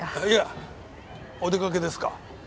いやお出かけですか？